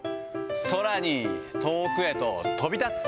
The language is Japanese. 空に遠くへと飛び立つ。